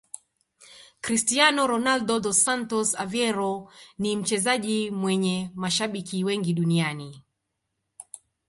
Cristiano Ronaldo dos Santos Aveiro ni mchezaji mwenye mashabiki wengi duniani